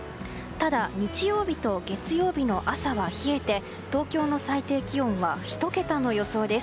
ただ日曜日と月曜日の朝は冷えて東京の最低気温は１桁の予想です。